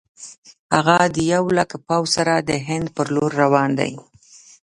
هغه د یو لک پوځ سره د هند پر لور روان دی.